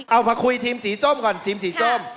เอามาคุยทีมสีส้มก่อนทีมสีส้ม